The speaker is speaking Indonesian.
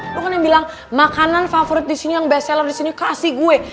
lo kan yang bilang makanan favorit disini yang best seller disini kasih gue